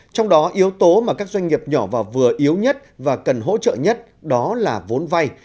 trong đó yếu tố mà các doanh nghiệp nhỏ và vừa yếu nhất và cần hỗ trợ nhất đó là vốn vay